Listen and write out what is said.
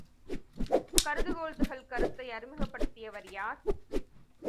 கருதுகோள் துகள் கருத்தை அறிமுகப்படுத்தியவர் யார்?